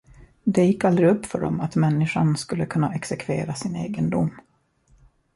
Det gick aldrig upp för dem att människan skulle kunna exekvera sin egen dom.